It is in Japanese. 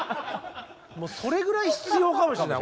それぐらい必要かもしれない。